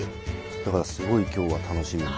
だからすごい今日は楽しみで。